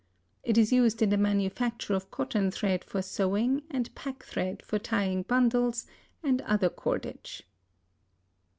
It is used in the manufacture of cotton thread for sewing and pack thread for tying bundles, and other cordage.